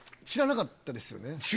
知らなかったですよね？